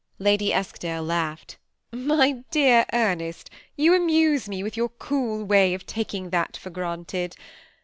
Lady Eskdale laughed. '' My dear Ernest, you amuse me with your cool way of taking that for granted.